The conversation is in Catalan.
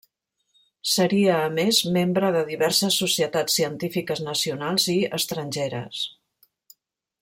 Seria a més membre de diverses societats científiques nacionals i estrangeres.